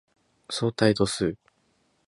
相対度数